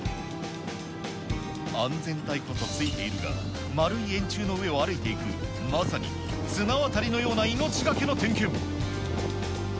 安全帯こそ付いているが、円い円柱の上を歩いていく、まさに、綱渡りのような命懸けの点検。